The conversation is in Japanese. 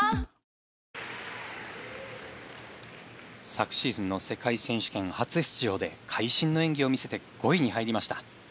昨シーズンの世界選手権、初出場で会心の演技を見せて５位に入りました。